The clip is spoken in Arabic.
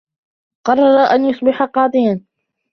قرر أن يصبح قاضيا.